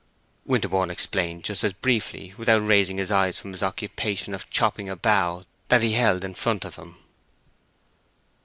Winterborne explained just as briefly, without raising his eyes from his occupation of chopping a bough that he held in front of him.